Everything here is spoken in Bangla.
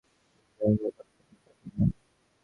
তিনি নিজের শহর বাগদাদে কাটিয়ে দেন।